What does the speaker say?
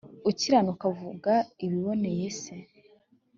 ukiranuka avuga ibiboneye s